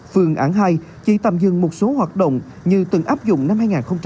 phương án hai chỉ tầm dừng một số hoạt động như từng áp dụng năm hai nghìn hai mươi